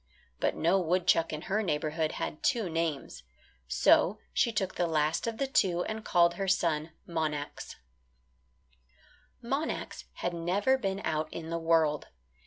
But no woodchuck in her neighbourhood had two names. So she took the last of the two and called her son Monax. Monax had never been out in the world.